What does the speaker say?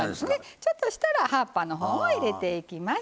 ちょっとしたら葉っぱの方も入れていきます。